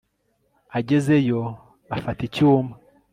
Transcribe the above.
agezeyo, afata icyuma